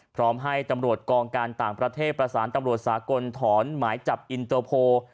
พร้อมให้ตำรวจกองการต่างประเทศประสานตำรวจสากลถอนหมายจับอินเตอร์โพล